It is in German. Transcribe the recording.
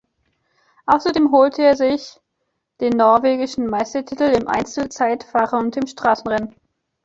Außerdem holte er sich den norwegischen Meistertitel im Einzelzeitfahren und im Straßenrennen.